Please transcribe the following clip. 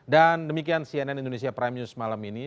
dan demikian cnn indonesia prime news malam ini